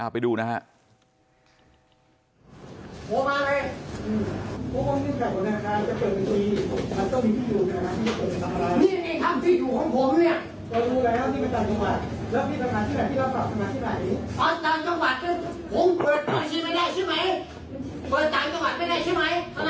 ไปดูนะครับ